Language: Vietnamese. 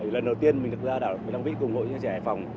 lần đầu tiên mình được ra đảo quỳnh long vĩnh cùng hội những trẻ hải phòng